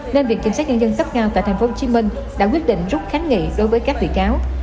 nên viện kiểm sát nhân dân cấp cao tại tp hcm đã quyết định rút kháng nghị đối với các bị cáo